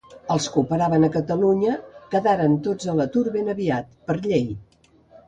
Els que operaven a Catalunya quedaran tots a l'atur ben aviat, per llei.